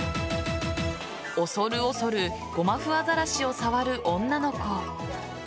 恐る恐るゴマフアザラシを触る女の子。